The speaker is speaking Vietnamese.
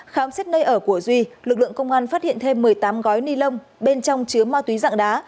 khám xét nơi ở của duy lực lượng công an phát hiện thêm một mươi tám gói ni lông bên trong chứa ma túy dạng đá